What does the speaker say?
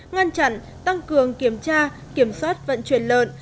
ngăn chặn tăng cường kiểm tra kiểm soát vận chuyển lợn